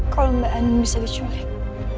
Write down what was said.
kalau mbak anin bisa diculik